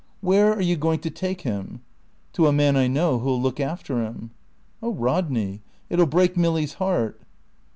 "Where are you going to take him?" "To a man I know who'll look after him." "Oh, Rodney, it'll break Milly's heart."